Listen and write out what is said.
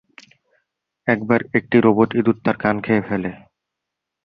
একবার একটি রোবট ইঁদুর তার কান খেয়ে ফেলে।